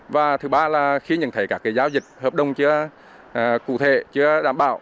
và thứ ba là khi nhận thấy các giao dịch hợp đồng chưa cụ thể chưa đảm bảo